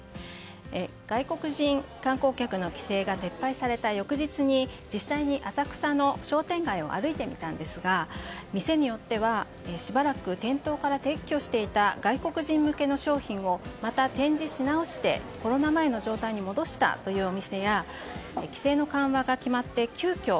外国人観光客の規制が撤廃された翌日に実際に浅草の商店街を歩いてみたんですが店によってはしばらく店頭から撤去していた外国人向けの商品をまた展示しなおしてコロナ前の状態に戻したというお店や規制の緩和が決まって急きょ